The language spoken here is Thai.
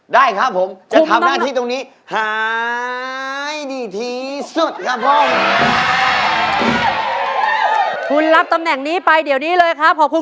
ได้ครับผมจะทำหน้าที่ตรงนี้หายดีที่สุดครับผม